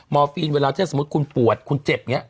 มอร์ฟีนเวลาที่สมมติคุณปวดคุณเจ็บเนี่ย